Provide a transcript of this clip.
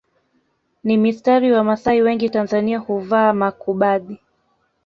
ni mistari Wamasai wengi Tanzania huvaa makubadhi